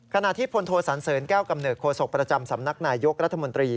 ขณะที่พลโทสันเสริญแก้วกำเนิดโศกประจำสำนักนายยกรัฐมนตรี